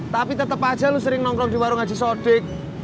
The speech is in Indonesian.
tapi tetap aja lu sering nongkrong di warung haji sodik